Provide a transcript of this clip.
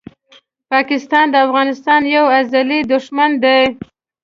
پاکستان د افغانستان یو ازلي دښمن دی!